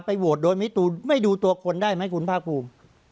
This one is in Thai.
ไปโหวตโดยไมธรูปไม่ดูตัวคนได้ไหมคุณภ้าภูมิ